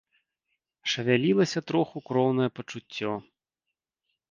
Шавялілася троху кроўнае пачуццё.